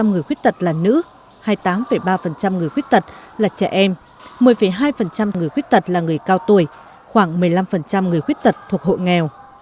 ba mươi người khuyết tật là nữ hai mươi tám ba người khuyết tật là trẻ em một mươi hai người khuyết tật là người cao tuổi khoảng một mươi năm người khuyết tật thuộc hộ nghèo